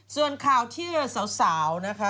ส่วนข่าวที่สาวนะคะ